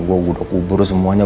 gue udah kubur semuanya